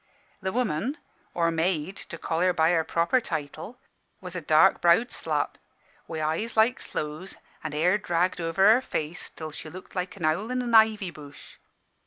"The woman or maid, to call her by her proper title was a dark browed slut, wi' eyes like sloes, an' hair dragged over her face till she looked like an owl in an ivy bush.